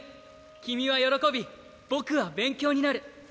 君は喜び僕は勉強になる。